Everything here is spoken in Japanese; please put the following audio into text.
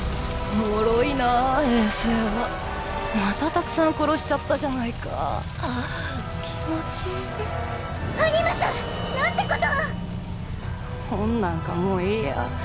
もろいなぁ衛星はまたたくさん殺しちゃったじゃないか気持ちいいアニムスなんてことを本なんかもういいや。